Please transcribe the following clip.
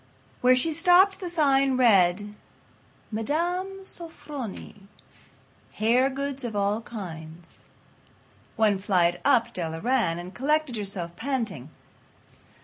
Where she stopped the sign read: "Mme. Sofronie. Hair Goods of All Kinds." One flight up Della ran, and collected herself, panting.